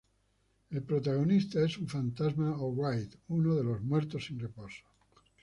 El protagonista es un fantasma o wraith, uno de los Muertos sin Reposo.